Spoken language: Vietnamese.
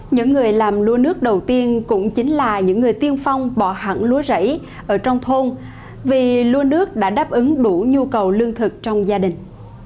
những người làm lúa nước đầu tiên cũng chính là những người tiên phong bỏ hẳn lúa rẫy ở trong thôn vì luôn nước đã đáp ứng đủ nhu cầu lương thực trong gia đình